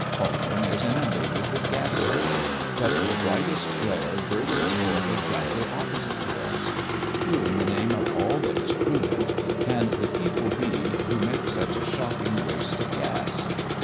Holborn is inundated with gas light; but the brightest glare bursts forth exactly opposite to us. Who, in the name of all that is prudent, can the people be who make such a shocking waste of gas?